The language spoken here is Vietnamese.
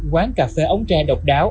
quán cà phê ống tre độc đáo